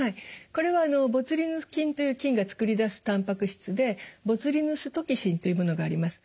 これはボツリヌス菌という菌が作り出すたんぱく質でボツリヌストキシンというものがあります。